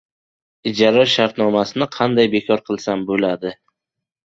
Ijara shartnomasini qanday bekor qilsam bo`ladi?